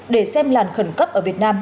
để xem làn khẩn cấp ở việt nam